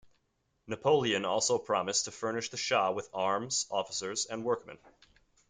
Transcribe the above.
Napoleon also promised to furnish the Shah with arms, officers and workmen.